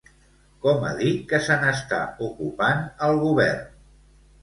Com ha dit que se n'està ocupant el govern?